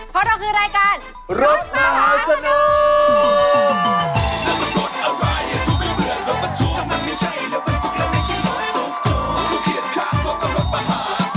เพราะเราคือรายการรถมหาสนุก